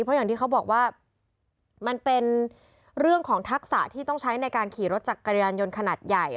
เพราะอย่างที่เขาบอกว่ามันเป็นเรื่องของทักษะที่ต้องใช้ในการขี่รถจักรยานยนต์ขนาดใหญ่